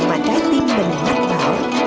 mà trái tim mình mắc bảo